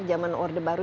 zaman orde baru